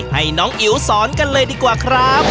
ให้น้องอิ๋วสอนกันเลยดีกว่าครับ